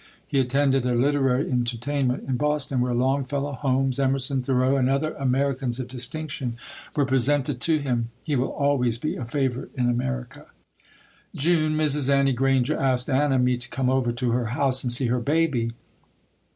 He attended a literary entertainment in Boston, where Longfellow, Holmes, Emerson, Thoreau, and other Americans of distinction were presented to him. He will always be a favorite in America. June. Mrs. Annie Granger asked Anna and me to come over to her house and see her baby.